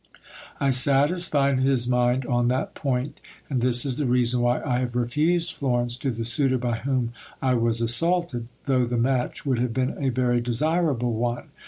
I satisfied his mind on that point ; and this is the reason why I have refused Florence to the suitor by whom I was assaulted, though the match would have been a very desirable one.